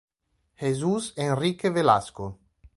Jesús Enrique Velasco